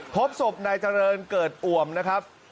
พบศพนายเจริญเกิดอ่วมนะครับ